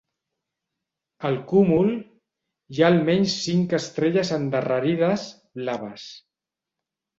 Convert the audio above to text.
Al cúmul, hi ha almenys cinc estrelles endarrerides blaves.